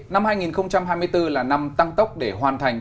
năm hai nghìn hai mươi bốn là năm tăng tốc để hoàn thành